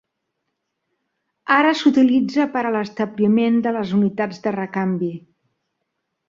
Ara s'utilitza per a l'establiment de les unitats de recanvi.